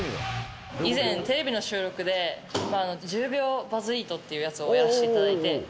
以前、テレビの収録で、１０秒バズリートっていうやつをやらせていただいて。